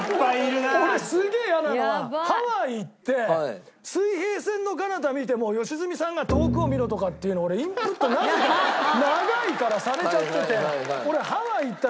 俺すげえ嫌なのはハワイ行って水平線のかなた見ても良純さんが「遠くを見ろ」とかって言うの俺インプットなぜか長いからされちゃってて。